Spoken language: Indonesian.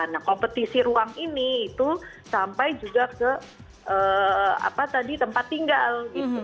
nah kompetisi ruang ini itu sampai juga ke tempat tinggal